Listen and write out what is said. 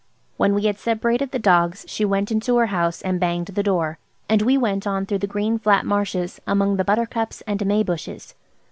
When we had separated the dogs she went into her house and banged the door, and we went on through the green flat marshes, among the buttercups and may bushes.